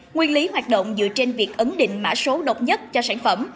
nguyên lý hoạt động dựa trên việc ấn định mã số độc nhất cho sản phẩm